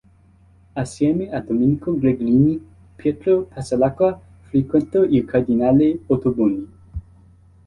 Assieme a Domenico Gregorini, Pietro Passalacqua frequentò il cardinale Ottoboni.